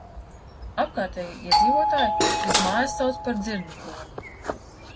"Apkārtējie iedzīvotāji šīs mājas sauca par "Dzirnkrogu"."